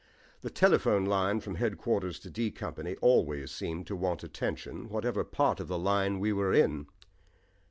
The telephone line from headquarters to D Company always seemed to want attention, whatever part of the line we were in.